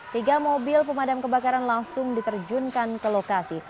tiga mobil pemadam kebakaran langsung diterjunkan ke lokasi